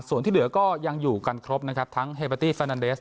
ส่วนที่เหลือก็ยังอยู่กันครบนะครับทั้งเฮเบอร์ตี้แฟนนันเดส